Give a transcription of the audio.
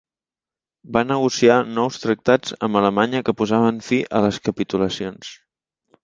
Va negociar nous tractats amb Alemanya que posaven fi a les capitulacions.